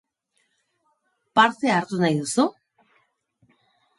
Parte hartu nahi duzu?